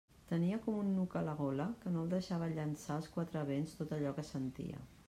Tenia com un nuc a la gola que no el deixava llançar als quatre vents tot allò que sentia.